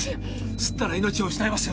吸ったら命を失いますよ